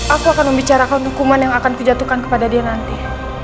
aku akan membicarakan hukuman yang akan kujatuhkan kepada dia nanti